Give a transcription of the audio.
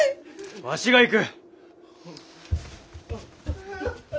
わしが行く！